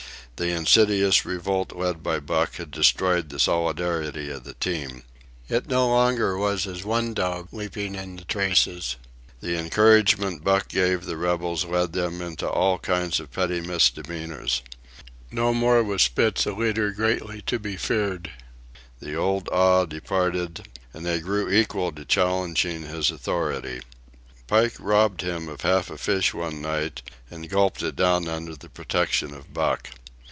The insidious revolt led by Buck had destroyed the solidarity of the team. It no longer was as one dog leaping in the traces. The encouragement Buck gave the rebels led them into all kinds of petty misdemeanors. No more was Spitz a leader greatly to be feared. The old awe departed, and they grew equal to challenging his authority. Pike robbed him of half a fish one night, and gulped it down under the protection of Buck.